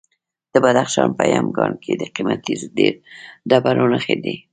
د بدخشان په یمګان کې د قیمتي ډبرو نښې دي.